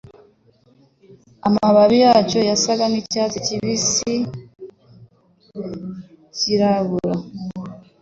Amababi yacyo yasaga nkicyatsi kibisi cyirabura